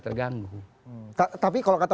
terganggu tapi kalau kata